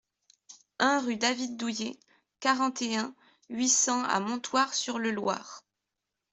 un rue David Douillet, quarante et un, huit cents à Montoire-sur-le-Loir